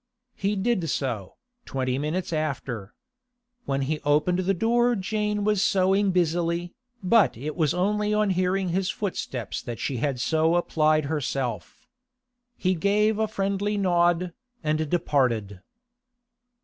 He did so, twenty minutes after. When he opened the door Jane was sewing busily, but it was only on hearing his footsteps that she had so applied herself. He gave a friendly nod, and departed.